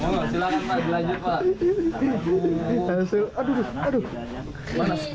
hasil aduh aduh